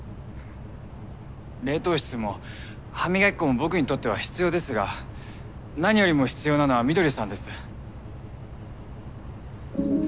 冷凍室も歯磨き粉も僕にとっては必要ですが何よりも必要なのは翠さんです。